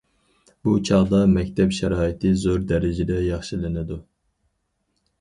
بۇ چاغدا، مەكتەپ شارائىتى زور دەرىجىدە ياخشىلىنىدۇ.